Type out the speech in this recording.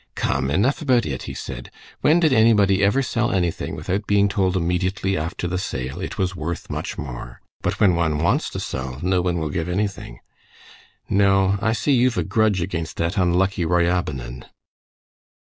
"Come, enough about it!" he said. "When did anybody ever sell anything without being told immediately after the sale, 'It was worth much more'? But when one wants to sell, no one will give anything.... No, I see you've a grudge against that unlucky Ryabinin."